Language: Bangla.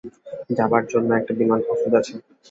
যাবার জন্য একটা বিমান প্রস্তুত আছে।